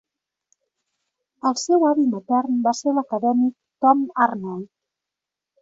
El seu avi matern va ser l'acadèmic Tom Arnold.